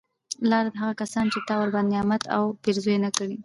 لاره د هغه کسانو چې تا ورباندي نعمت او پیرزونه کړي